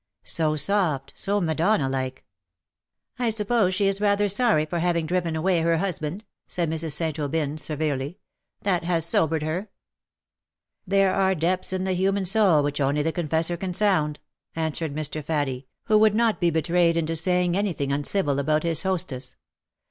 '' So soft ; so Madonna like V " I suppose she is rather sorry for having driven away her husband,^^ said Mrs. St. Aubyn, severely. " That has sobered her.''^ " There are depths in the human soul which only the confessor can sound,^' answered Mr. Faddie, who would not be betrayed into saying anything TEARS AND TREASONS. 313 uncivil about his hostess.